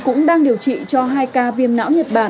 cũng đang điều trị cho hai ca viêm não nhiệt đới